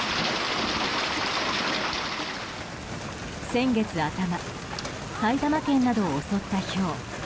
先月頭、埼玉県などを襲ったひょう。